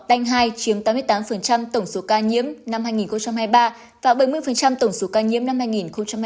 tăng hai chiếm tám mươi tám tổng số ca nhiễm năm hai nghìn hai mươi ba và bảy mươi tổng số ca nhiễm năm hai nghìn hai mươi ba